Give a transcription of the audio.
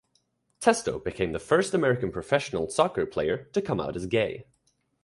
Testo became the first American professional soccer player to come out as gay.